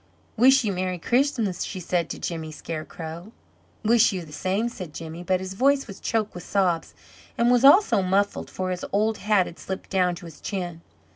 "Wish you Merry Christmas!" she said to Jimmy Scarecrow. "Wish you the same," said Jimmy, but his voice was choked with sobs, and was also muffled, for his old hat had slipped down to his chin.